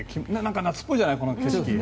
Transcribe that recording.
夏っぽいじゃない、この景色。